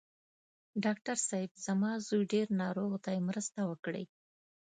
ډاکټر صېب! زما زوی ډېر ناروغ دی، مرسته وکړئ.